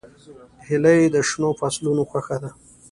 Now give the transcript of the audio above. هیلۍ د شنو فصلونو خوښه ده